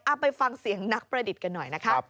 ไปฟังเสียงนักประดิษฐ์กันหน่อยนะคะ